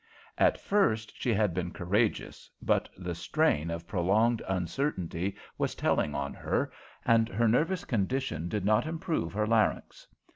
At first she had been courageous, but the strain of prolonged uncertainty was telling on her, and her nervous condition did not improve her larynx.